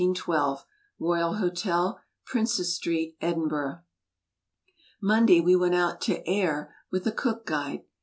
Royal Hotel, Prince's St., Edinburgh. Monday we went out to Ayr with a Cook guide.